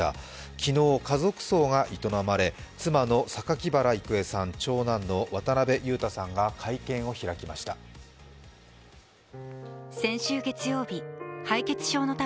昨日、家族葬が営まれ、妻の榊原郁恵さん、長男の渡辺裕太さんが会見を開きました。